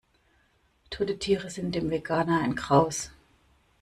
Tote Tiere sind dem Veganer ein Graus.